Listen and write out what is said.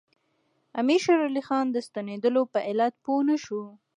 امیر شېر علي خان د ستنېدلو په علت پوه نه شو.